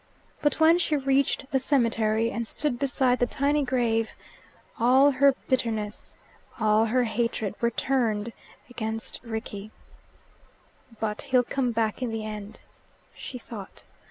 But when she reached the cemetery, and stood beside the tiny grave, all her bitterness, all her hatred were turned against Rickie. "But he'll come back in the end," she thought.